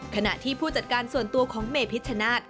ขณะที่ผู้จัดการส่วนตัวของเมพิชชนาธิ์